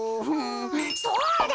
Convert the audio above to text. そうだ！